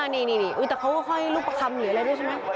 นี่แต่เขาก็ค่อยรูปคำหรืออะไรด้วยใช่ไหม